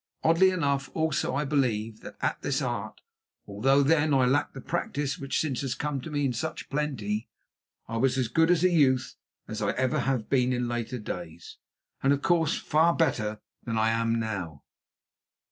Oddly enough, also, I believe that at this art, although then I lacked the practice which since has come to me in such plenty, I was as good as a youth as I have ever been in later days, and, of course, far better than I am now.